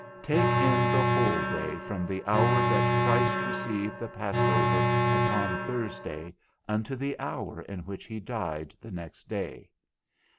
Take in the whole day from the hour that Christ received the passover upon Thursday unto the hour in which he died the next day.